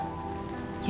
terima kasih ya